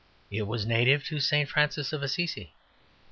It was native to St. Francis of Assisi.